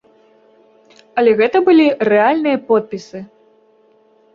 Але гэта былі рэальныя подпісы.